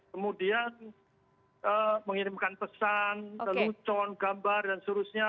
kemudian mengirimkan pesan lelucon gambar dan seterusnya